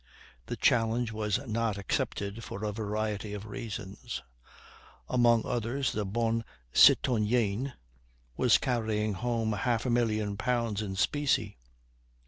The challenge was not accepted for a variety of reasons; among others the Bonne Citoyenne was carrying home half a million pounds in specie.